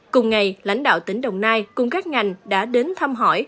cùng ngày lãnh đạo tỉnh đồng nai cùng các ngành đã đến thăm hỏi